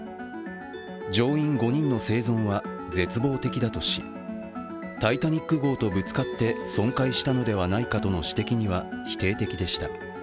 乗員５人の生存は絶望的だとし「タイタニック」号とぶつかって損壊したのではないかとの指摘には否定的でした。